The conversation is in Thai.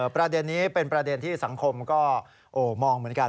ประเด็นนี้เป็นประเด็นที่สังคมก็มองเหมือนกัน